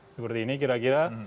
seperti ini kira kira